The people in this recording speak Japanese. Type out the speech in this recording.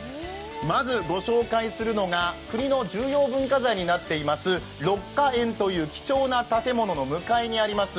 まずご紹介するのが国の重要文化財になっている六華苑という貴重な建物の向かいにあります